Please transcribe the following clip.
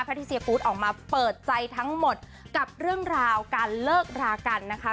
ที่เซียกูธออกมาเปิดใจทั้งหมดกับเรื่องราวการเลิกรากันนะคะ